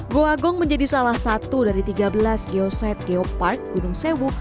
goa gong menjadi salah satu dari tiga belas geoset geopark gunung sewu